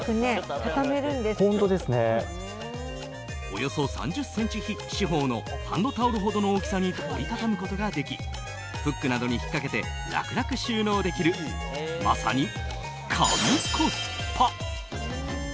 およそ３０ｃｍ四方のハンドタオルほどの大きさに折り畳むことができフックなどに引っかけて楽々収納できる、まさに神コスパ。